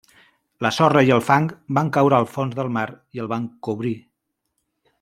La sorra i el fang van caure al fons del mar i el van cobrir.